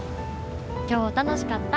今日楽しかった。